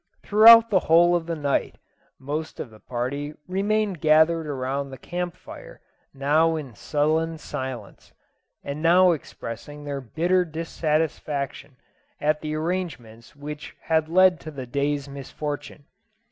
Throughout the whole of the night most of the party remained gathered around the camp fire now in sullen silence, and now expressing their bitter dissatisfaction at the arrangements which had led to the day's misfortune.